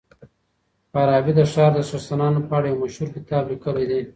فارابي د ښار د څښتنانو په اړه يو مشهور کتاب ليکلی دی.